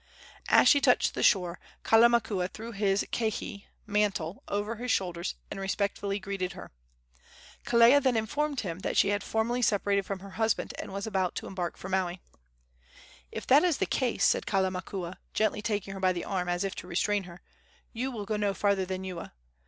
As she touched the shore Kalamakua threw his kihei (mantle) over her shoulders and respectfully greeted her. Kelea then informed him that she had formally separated from her husband and was about to embark for Maui. "If that is the case," said Kalamakua, gently taking her by the arm, as if to restrain her, "you will go no farther than Ewa.